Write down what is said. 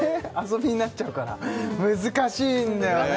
遊びになっちゃうから難しいんだよね